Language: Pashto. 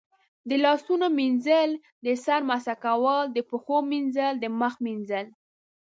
د لاسونو وینځل، د سر مسح کول، د پښو مینځل، د مخ وینځل